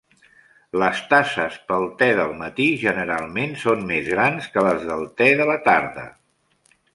Les tasses pel te del matí generalment són més grans que les del te de la tarda.